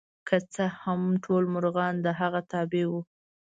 که څه هم ټول مرغان د هغه تابع وو.